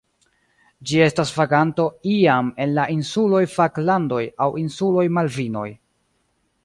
Ĝi estas vaganto iam en la insuloj Falklandoj aŭ insuloj Malvinoj.